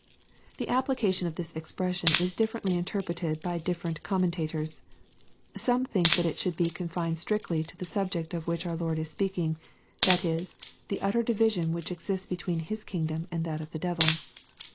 1 The application of this expression is differently interpreted by different commen tators. Some think that it should be confined strictly to. the subject of which our Lord is peaking, — that is, the utter division which exists between His kingdom and that of the devil.